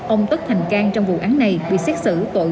ông tất thành cang trong vụ án này bị xét xử tội